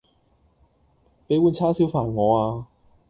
比碗叉燒飯我呀